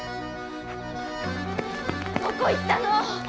どこ行ったの！？